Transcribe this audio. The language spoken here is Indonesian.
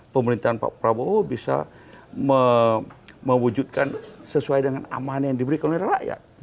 pemerintahan pak prabowo bisa mewujudkan sesuai dengan amanah yang diberikan oleh rakyat